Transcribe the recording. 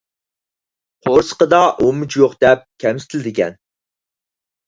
«قورسىقىدا ئۇمىچى يوق» دەپ كەمسىتىلىدىكەن.